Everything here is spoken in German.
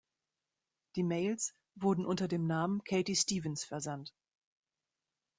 Die Mails wurden unter dem Namen Katie Stevens versandt.